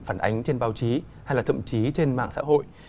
đánh trên báo chí hay là thậm chí trên mạng xã hội